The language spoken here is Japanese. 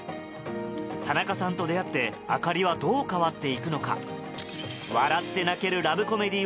田中さんと出会って朱里はどう変わっていくのか？